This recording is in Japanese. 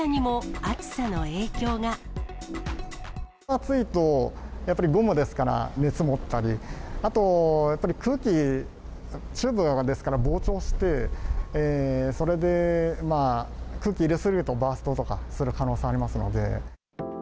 暑いと、やっぱりゴムですから、熱持ったり、あとやっぱり空気、チューブですから、膨張して、それで空気入れ過ぎると、バーストとかする可能性ありますので。